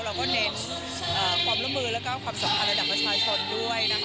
เราก็เน้นความร่วมมือแล้วก็ความสำคัญระดับประชาชนด้วยนะคะ